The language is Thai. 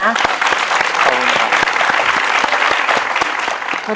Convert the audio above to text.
ขอบคุณครับ